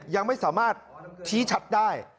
ยังไม่สามารถชี้ชัดได้